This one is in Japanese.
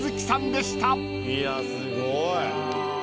いやすごい。